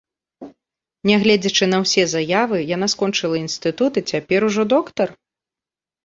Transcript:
Нягледзячы на ўсе заявы, яна скончыла інстытут і цяпер ужо доктар?